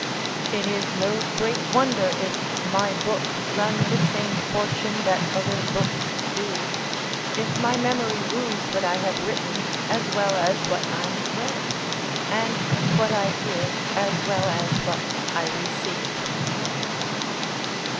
It is no great wonder if my book run the same fortune that other books do, if my memory lose what I have written as well as what I have read, and what I give, as well as what I receive.